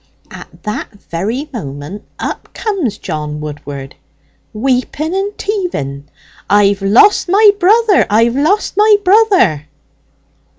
At that very moment up comes John Woodward, weeping and teaving, 'I've lost my brother! I've lost my brother!'"